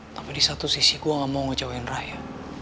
tapi di satu sisi gue gak mau ngejawain raya